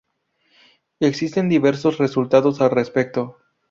Existen diversos resultados al respecto.